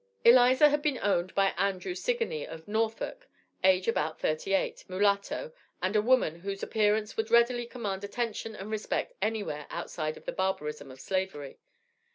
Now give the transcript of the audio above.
Eliza had been owned by Andrew Sigany, of Norfolk age about thirty eight mulatto, and a woman whose appearance would readily command attention and respect anywhere outside of the barbarism of Slavery.